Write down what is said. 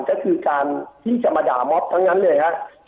ก็คือการที่จะมาด่าม็อบทั้งนั้นเลยครับ